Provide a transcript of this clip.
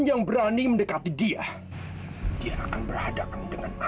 yang berani mendekati dia dia berhadapan dengan aku rian dan bahwa mengancam dia